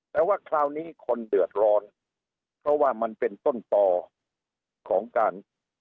แต่ว่าคราวนี้คนเดือดร้อนเพราะว่ามันเป็นต้นต่อของการ